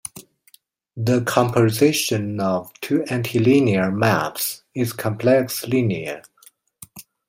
The composition of two antilinear maps is complex-linear.